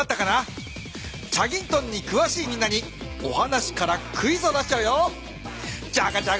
『チャギントン』にくわしいみんなにお話からクイズを出しちゃうよ。